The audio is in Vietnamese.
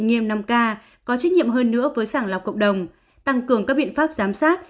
nghiêm năm k có trách nhiệm hơn nữa với sàng lọc cộng đồng tăng cường các biện pháp giám sát